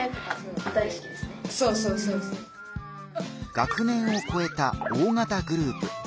学年をこえた大型グループ。